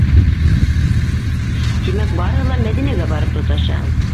Тимәк, барыһы ла Мәҙинәгә барып тоташа!